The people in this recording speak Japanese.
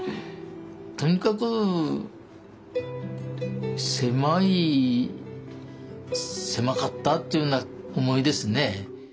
とにかく狭い狭かったっていうような思いですね。